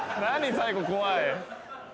最後怖い。